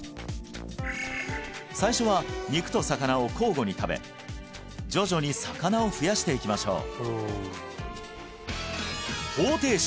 最初は肉と魚を交互に食べ徐々に魚を増やしていきましょう